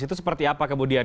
itu seperti apa kemudian